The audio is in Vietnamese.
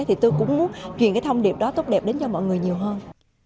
thì tôi cũng muốn truyền cái thông điệp đó tốt đẹp đến cho mọi người nhiều hơn